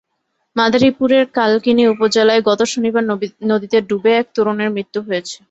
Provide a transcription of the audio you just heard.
মাদারীপুরের কালকিনি উপজেলায় গত শনিবার নদীতে ডুবে এক তরুণের মৃত্যু হয়েছে।